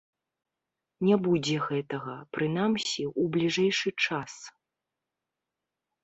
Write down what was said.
Не будзе гэтага, прынамсі, у бліжэйшы час.